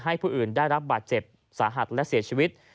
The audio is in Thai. ผู้อื่นได้รับบาดเจ็บสาหัสและเสียชีวิต